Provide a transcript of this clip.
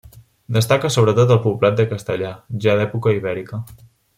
Destaca sobretot el poblat del Castellar, ja d'època ibèrica.